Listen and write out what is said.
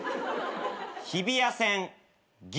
日比谷線銀。